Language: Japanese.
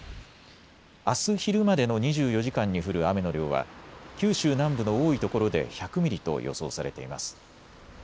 あす昼までの２４時間に降る雨の量は九州南部の多いところで１００ミリと予想されています。